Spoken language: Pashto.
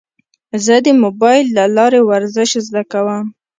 زه د موبایل له لارې ورزش زده کوم.